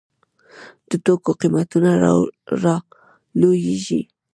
د توکو قیمتونه رالویږي.